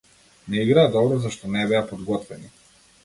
Не играа добро зашто не беа подготвени.